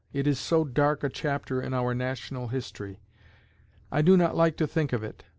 It is so dark a chapter in our national history. I do not like to think of it.